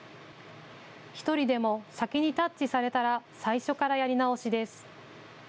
１人でも先にタッチされたら最初からやり直しです。